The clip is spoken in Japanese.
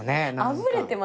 あふれてます。